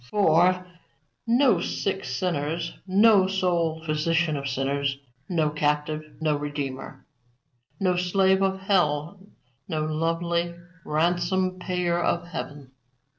For, no sick sinners, no soul physician of sinners; no captive, no Redeemer; no slave of hell, no lovely ransom payer of heaven.